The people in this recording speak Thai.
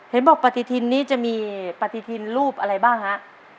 เห็นบอกปฏิทินนี้จะมีปฏิทินรูปอะไรบ้างฮะ